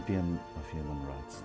pemenang kebenaran manusia